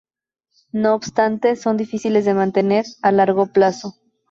No obstante, son difíciles de mantener a largo plazo.